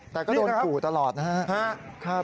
แต่ก็โดนขู่ตลอดนะครับ